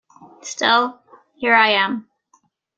Still, here I am.